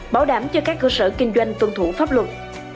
bảo đảm cho các cơ sở kinh doanh tuân thủ pháp luật